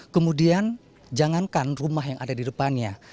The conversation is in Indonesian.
kemudian jangankan rumah yang ada di depannya